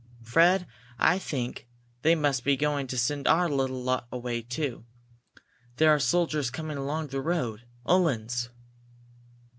Fred, I think they must be going to send our little lot away, too. There are soldiers coming along the road Uhlans."